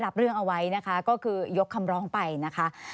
แล้วก็เรื่องนี้เนี่ยก็นึกว่าจะจบแค่นั้น